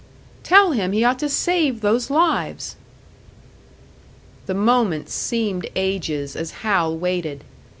"Tell him he ought to save those lives!" The moments seemed ages as Hal waited.